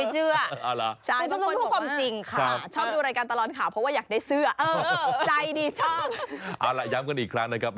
เอาย้ำกันอีกครั้งนะครับ